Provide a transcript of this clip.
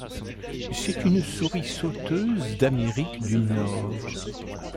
C'est une souris sauteuse d'Amérique du Nord.